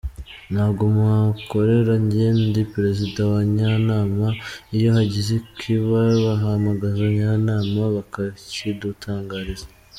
Ntabwo mpakorera njye ndi Perezida wa Njyanama, iyo hagize ikiba bahamagaza njyanama bakakidutangariza".